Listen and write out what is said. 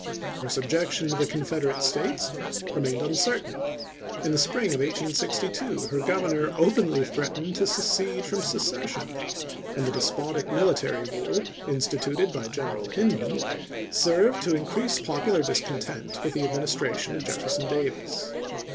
Her subjection to the Confederate States remained uncertain; in the spring of 1862 her Governor openly tkreatened to secede from secession, and the despotic military rule instituted by General Hind man served to increase popular discontent with the administration of Jefferson Davis.